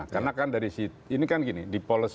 karena kan dari si ini kan gini